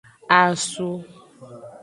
Asu.